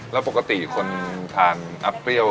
แล้วปกติมันก็ทานกับอับเปรี้ยว